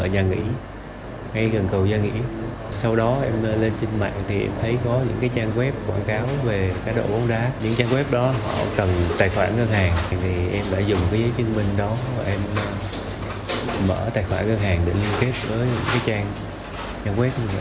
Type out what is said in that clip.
thành lập các tài khoản ngân hàng để liên kết với các trang mạng nhằm thực hiện giao dịch chuyển nhận tiền